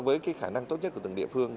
với khả năng tốt nhất của tầng địa phương